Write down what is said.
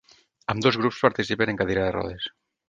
Ambdós grups participen en cadira de rodes.